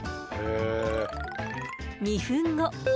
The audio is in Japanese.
２分後。